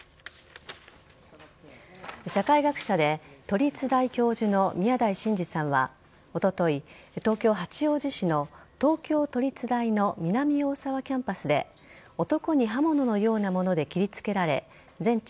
社会学者で都立大教授の宮台真司さんはおととい、東京・八王子市の東京都立大の南大沢キャンパスで男に刃物のようなもので切りつけられ全治